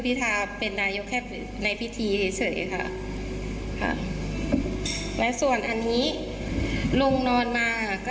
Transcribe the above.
ทาเป็นนายกแค่ในพิธีเฉยค่ะค่ะและส่วนอันนี้ลุงนอนมาค่ะก็